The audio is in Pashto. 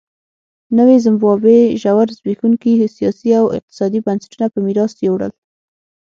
نوې زیمبابوې ژور زبېښونکي سیاسي او اقتصادي بنسټونه په میراث یووړل.